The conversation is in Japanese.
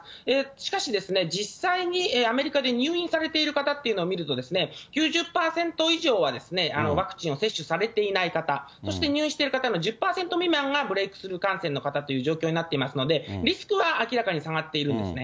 しかし、実際にアメリカで入院されている方というのを見ると、９０％以上はワクチンを接種されていない方、そして入院している方の１０％未満がブレークスルー感染の方という状況になってますので、リスクは明らかに下がっているんですね。